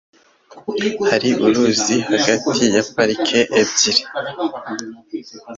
Hari uruzi hagati ya parike ebyiri?